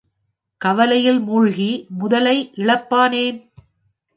கவலையில் மூழ்கி முதலை இழப்பானேன்?